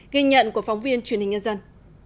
ghi nhận của phóng viên truyền hình nhân dân